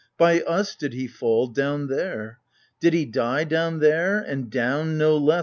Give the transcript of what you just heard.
By us did he fall— down there ! Did he die— down there ! and down, no less.